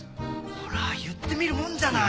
ほら言ってみるもんじゃない。